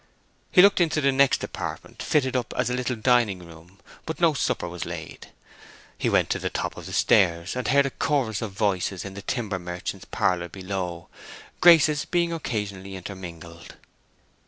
He looked into the next apartment, fitted up as a little dining room, but no supper was laid. He went to the top of the stairs, and heard a chorus of voices in the timber merchant's parlor below, Grace's being occasionally intermingled.